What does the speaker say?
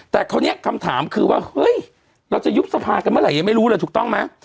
แต่คราวนี้คำถามคือว่าเฮ้ยเราจะยุบสภากันเมื่อไหร่ยังไม่รู้เลยถูกต้องไหม